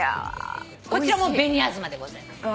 こちらも紅あずまでございます。